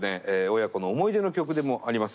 親子の思い出の曲でもあります